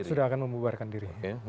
ya sudah akan membubarkan diri